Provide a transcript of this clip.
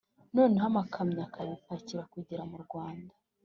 noneho amakamyo akabipakira kugera mu rwanda.